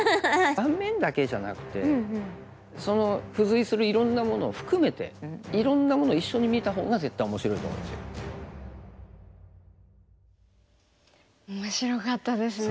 盤面だけじゃなくてその付随するいろんなものを含めていろんなものを一緒に見たほうが絶対面白いと思うんですよ。面白かったですね。